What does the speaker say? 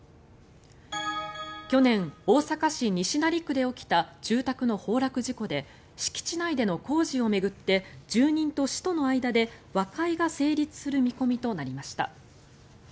去年、大阪市西成区で起きた住宅の崩落事故で敷地内での工事を巡って住人と市との間で和解が成立する見込みとなりました。